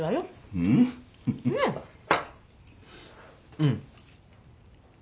うん。